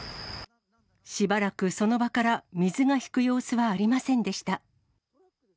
しばらくその場から水が引く様子はありませんでした。